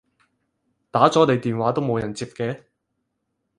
打咗你電話都冇人接嘅